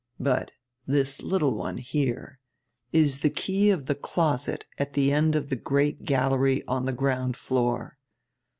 But this little one, here, is the key of the closet at the end of the great gallery on the ground floor.